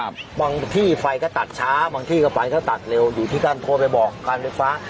บางที่ไฟก็ตัดช้าบางที่ก็ไฟก็ตัดเร็วอยู่ที่การโทรไปบอกการไฟฟ้า